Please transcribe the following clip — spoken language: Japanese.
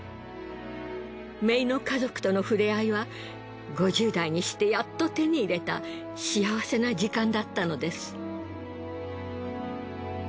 姪の家族とのふれあいは５０代にしてやっと手に入れた幸せな時間だったのです。